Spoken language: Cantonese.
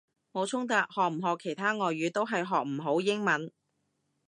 冇衝突，學唔學其他外語都係學唔好英文！